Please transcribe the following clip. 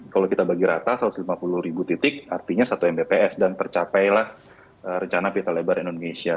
kalau kita bagi rata satu ratus lima puluh ribu titik artinya satu mbps dan tercapailah rencana pita lebar indonesia